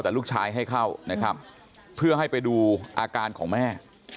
แต่ลูกชายให้เข้านะครับเพื่อให้ไปดูอาการของแม่